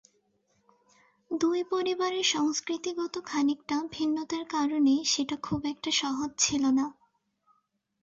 দুই পরিবারের সংস্কৃতিগত খানিকটা ভিন্নতার কারণেই সেটা খুব একটা সহজ ছিল না।